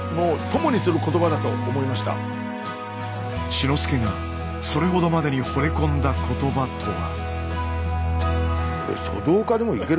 志の輔がそれほどまでにほれ込んだ言葉とは。